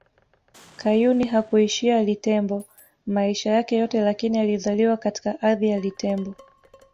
Kayuni hakuishi Litembo maisha yake yote lakini alizaliwa katika ardhi ya Litembo